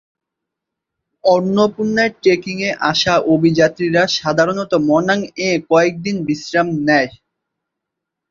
অন্নপূর্ণায় ট্রেকিং-এ আসা অভিযাত্রীরা সাধারণত মনাঙ-এ কয়েকদিন বিশ্রাম নেয়।